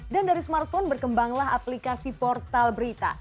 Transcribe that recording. dan dari smartphone berkembanglah aplikasi portal berita